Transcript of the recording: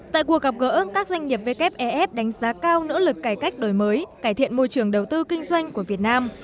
tại cuộc gặp gỡ các doanh nghiệp wfef đánh giá cao nỗ lực cải cách đổi mới cải thiện môi trường đầu tư kinh doanh của việt nam